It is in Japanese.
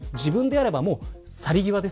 でも自分であればもう去り際です。